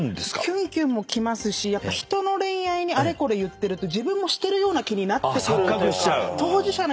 キュンキュンもきますし人の恋愛にあれこれ言ってると自分もしてるような気になるというか。